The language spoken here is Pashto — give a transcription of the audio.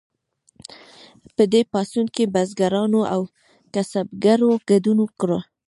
په دې پاڅون کې بزګرانو او کسبګرو ګډون وکړ.